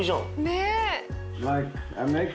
ねえ。